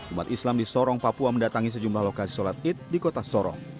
umat islam di sorong papua mendatangi sejumlah lokasi sholat id di kota sorong